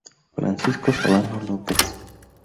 Francisco Solano López.